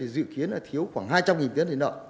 dự kiến là thiếu khoảng hai trăm linh tiến lợn